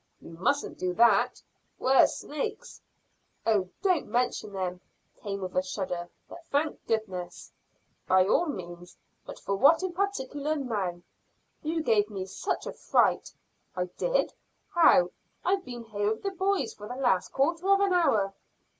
"You mustn't do that. 'Ware snakes." "Oh, don't mention them," came with a shudder. "But thank goodness!" "By all means; but for what in particular now?" "You gave me such a fright." "I did? How? I've been here with the boys for the last quarter of an hour."